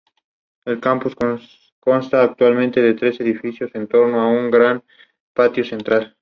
Su escuadrón de Húsares mereció por su comportamiento la denominación de ""Bravos de Vivas"".